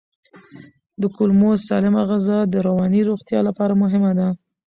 د کولمو سالمه غذا د رواني روغتیا لپاره مهمه ده.